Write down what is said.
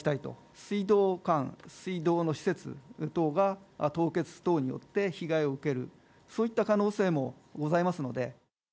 水道管、水道の施設等が凍結等によって被害を受ける、そういった可能性もございますので。